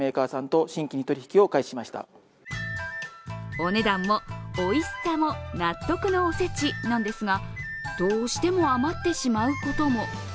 お値段もおいしさも納得のお節なんですがどうしても余ってしまうことも。